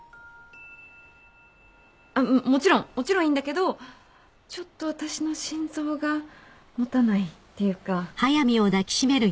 あっもちろんもちろんいいんだけどちょっと私の心臓が持たないっていうか。